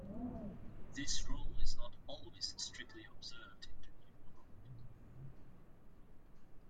This rule is not always strictly observed in the New World.